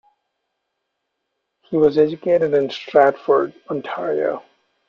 He was educated in Stratford, Ontario.